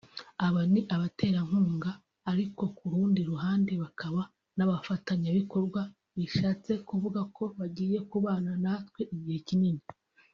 Aba ni abaterankunga ariko kurundi ruhande bakaba n’abafatanyabikorwa bishatse kuvuga ko bagiye kubana natwe igihe kinini